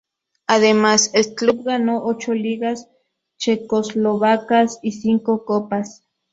Además, el club ganó ocho Ligas checoslovacas y cinco Copas.